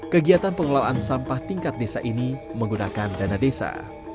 kegiatan pengelolaan sampah tingkat desa ini menggunakan dana desa